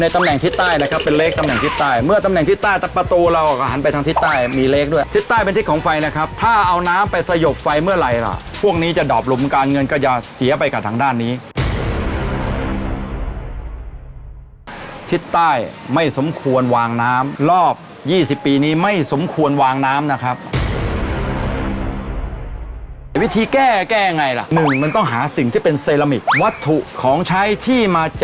แต่ว่าไปเผาไก่เห็นไหม